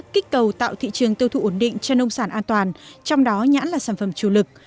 kích cầu tạo thị trường tiêu thụ ổn định cho nông sản an toàn trong đó nhãn là sản phẩm chủ lực